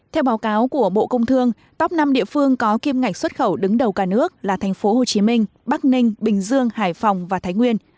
theo báo cáo của bộ công thương top năm địa phương có kim ngạch xuất khẩu đứng đầu cả nước là tp hcm bắc ninh bình dương hải phòng và thái nguyên